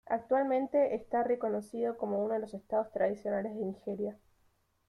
Actualmente está reconocido como uno de los Estados tradicionales de Nigeria.